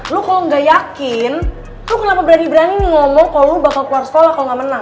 lu kalau gak yakin lu kenapa berani berani nih ngomong kok lo bakal keluar sekolah kalau gak menang